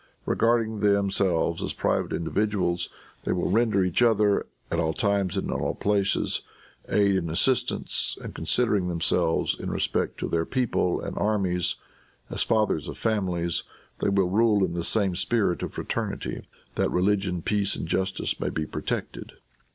Regarding themselves as private individuals, they will render each other, at all times, and in all places, aid and assistance; and considering themselves, in respect to their people and armies, as fathers of families, they will rule in the same spirit of fraternity, that religion, peace and justice may be protected.